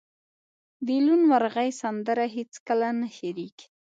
د لوون مرغۍ سندره هیڅکله نه هیریږي